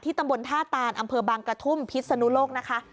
ตำบลท่าตานอำเภอบางกระทุ่มพิศนุโลกนะคะ